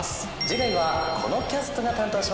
次回はこのキャストが担当します。